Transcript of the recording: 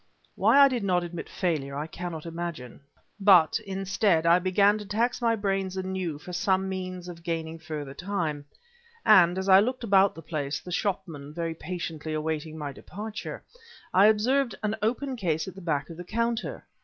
Why I did not admit failure I cannot imagine, but, instead, I began to tax my brains anew for some means of gaining further time; and, as I looked about the place, the shopman very patiently awaiting my departure, I observed an open case at the back of the counter.